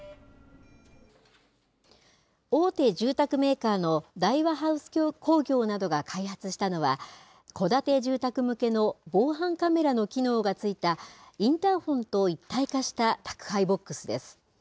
大手住宅メーカーの大和ハウス工業などが開発したのは、戸建て住宅向けの防犯カメラの機能がついた、インターホンと一体化した宅配ボックスです。